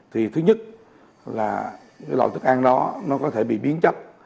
thì thứ nhất là cái loại thức ăn đó nó có thể bị biến chất